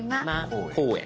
「公園」。